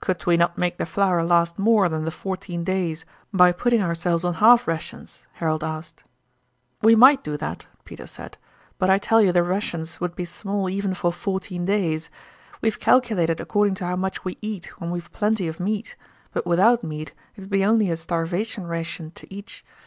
"Could we not make the flour last more than the fourteen days by putting ourselves on half rations?" Harold asked. "We might do that," Peter said, "but I tell you the rations would be small even for fourteen days. We've calkilated according to how much we eat when we've plenty of meat, but without meat it'd be only a starvation ration to each.